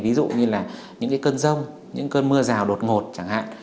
ví dụ như là những cơn rông những cơn mưa rào đột ngột chẳng hạn